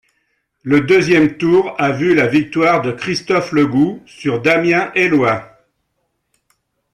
Le deuxième tour a vu la victoire de Christophe Legout sur Damien Eloi.